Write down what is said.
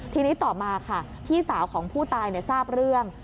ทีนี้ต่อมาค่ะพี่สาวของผู้ตายทราบเรื่อง